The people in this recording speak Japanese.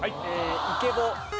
イケボ。